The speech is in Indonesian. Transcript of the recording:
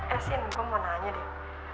eh sien gue mau nanya deh